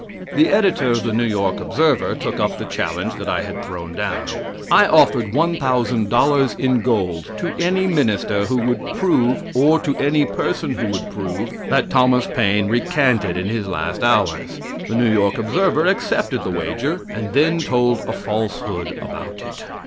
The editor of the New York Observer took up the challenge that I had thrown down. I offered $1000 in gold to any minister who would prove, or to any person who would prove that Thomas Paine recanted in his last hours. The New York Observer accepted the wager, and then told a falsehood about it.